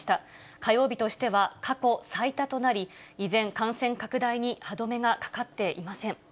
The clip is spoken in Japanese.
火曜日としては過去最多となり、依然、感染拡大に歯止めがかかっていません。